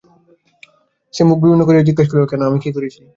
সে মুখ বিবর্ণ করিয়া জিজ্ঞাসা করিল, কেন, আমি কী করেছি?